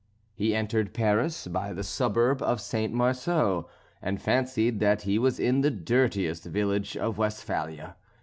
He entered Paris by the suburb of St. Marceau, and fancied that he was in the dirtiest village of Westphalia.